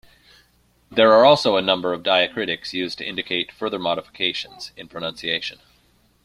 There are also a number of diacritics used to indicate further modifications in pronunciation.